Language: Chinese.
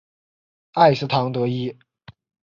埃斯唐德伊。